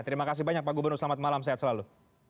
terima kasih banyak pak gubernur selamat malam sehat selalu